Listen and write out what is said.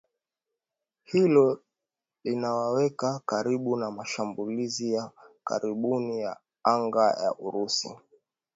Hilo linawaweka karibu na mashambulizi ya karibuni ya anga ya Urusi